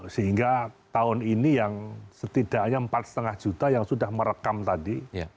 sehingga tahun ini yang setidaknya empat lima juta yang sudah merekam tadi